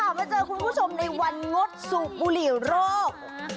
มาเจอคุณผู้ชมในวันงดสูบบุหรี่โรค